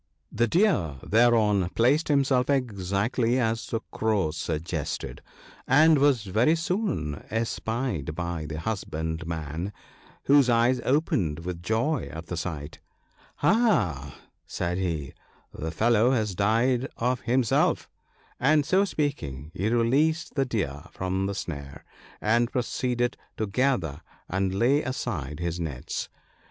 The Deer thereon placed himself exactly as the Crow suggested, and was very soon espied by the husbandman, whose eyes opened with joy at the sight. " Aha !" said he, " the fellow has died of himself," and so speaking, he released the Deer from the snare, and proceeded to gather and lay aside his nets.